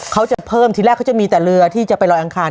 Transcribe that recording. เขาจะเพิ่มทีแรกเขาจะมีแต่เรือที่จะไปลอยอังคาร